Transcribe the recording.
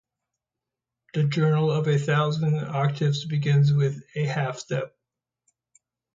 The journey of a thousand octaves begins with a half-step.